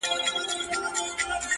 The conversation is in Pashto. سر تر نوکه زنګېده له مرغلرو!